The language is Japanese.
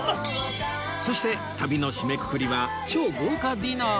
そして旅の締めくくりは超豪華ディナー！